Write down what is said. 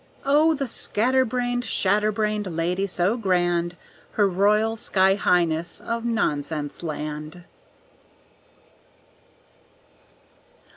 Oh! the scatterbrained, shatterbrained lady so grand, Her Royal Skyhighness of Nonsense Land!